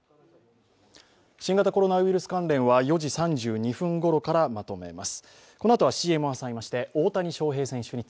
新型コロナウイルス関連は４時３２分頃からまとめます。